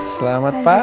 selamat pagi mama